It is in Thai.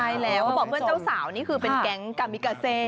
ใช่แล้วเขาบอกเพื่อนเจ้าสาวนี่คือเป็นแก๊งกามิกาเซ